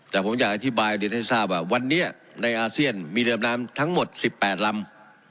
แต่ผมอยากให้อธิบายเดือนให้ทราบว่าวันนี้ในอาเซียนมีเรียบรับน้ำทั้งหมดสิบแปดลำ